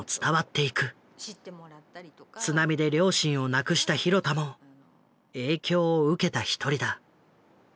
津波で両親を亡くした廣田も影響を受けた一人だ。